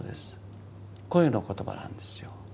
声の言葉なんですよ。